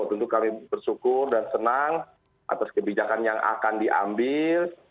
tentu kami bersyukur dan senang atas kebijakan yang akan diambil